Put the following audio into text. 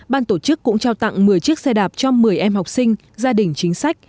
ban tổ chức cũng trao tặng một mươi chiếc xe đạp cho một mươi em học sinh gia đình chính sách